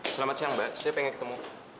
selamat siang mbak saya pengen ketemu